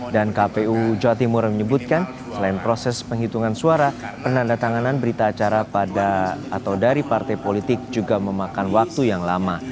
dan kpu jawa timur menyebutkan selain proses penghitungan suara penanda tanganan berita acara pada atau dari partai politik juga memakan waktu yang lama